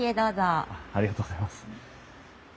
ありがとうございます。